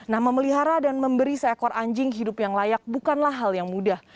nah memelihara dan memberi seekor anjing hidup yang layak bukanlah hal yang mudah